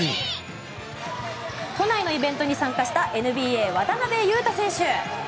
都内のイベントに参加したＮＢＡ、渡邊雄太選手。